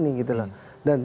dan jangan juga ragukan